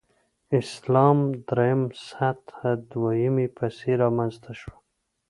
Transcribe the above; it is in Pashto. اسلام درېمه سطح دویمې پسې رامنځته شوه.